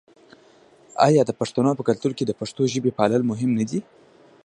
آیا د پښتنو په کلتور کې د پښتو ژبې پالل مهم نه دي؟